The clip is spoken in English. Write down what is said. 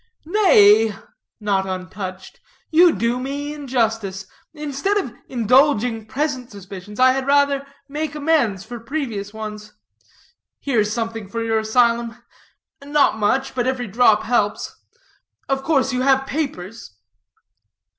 "Nay," not untouched, "you do me injustice; instead of indulging present suspicions, I had rather make amends for previous ones. Here is something for your asylum. Not much; but every drop helps. Of course you have papers?"